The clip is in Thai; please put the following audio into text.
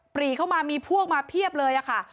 รีเข้ามามีพวกมาเพียบเลยค่ะ